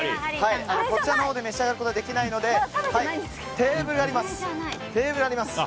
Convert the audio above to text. こちらのほうで召し上がることはできないのでテーブルがあります。